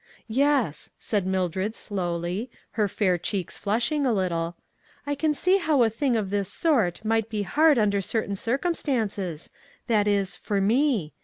" Yes," said Mildred, slowly, her fair cheeks flushing a little, " I can see how a thing of this sort might be hard under cer tain circumstances — that is, for me.